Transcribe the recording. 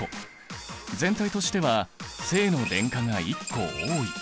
全体としては正の電荷が１個多い。